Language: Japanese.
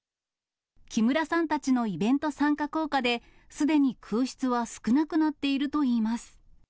木村さんたちのイベント参加効果で、すでに空室は少なくなっているといいます。